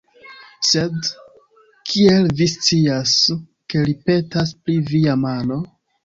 Sed, kiel vi scias, ke li petas pri via mano?